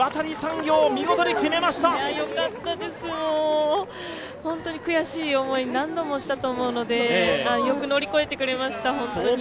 よかったです、本当に悔しい思いを何度もしたと思うのでよく乗り越えてくれました、本当に。